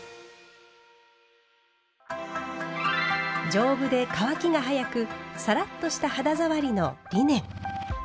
丈夫で乾きが早くサラッとした肌触りのリネン。